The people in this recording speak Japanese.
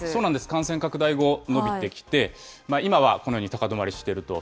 感染拡大後、伸びてきて、今はこのように高止まりしていると。